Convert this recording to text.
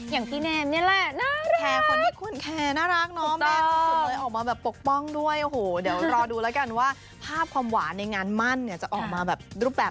อย่างที่เนมเนี่ยแหละ